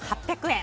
４８００円。